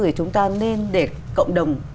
thì chúng ta nên để cộng đồng